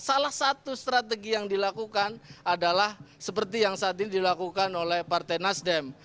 salah satu strategi yang dilakukan adalah seperti yang saat ini dilakukan oleh partai nasdem